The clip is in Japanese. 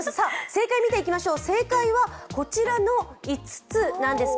正解見ていきましょう、正解はこちらの５つなんです。